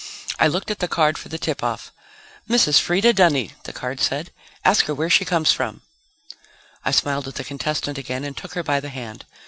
I looked at the card for the tip off. "Mrs. Freda Dunny," the card said. "Ask her where she comes from." I smiled at the contestant again and took her by the hand.